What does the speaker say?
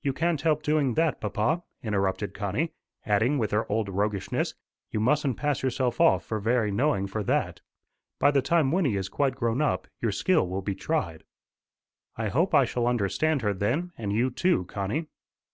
"You can't help doing that, papa," interrupted Connie, adding with her old roguishness, "You mustn't pass yourself off for very knowing for that. By the time Wynnie is quite grown up, your skill will be tried." "I hope I shall understand her then, and you too, Connie."